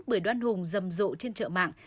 bưởi đoan hùng rầm rộ trên chợ mạng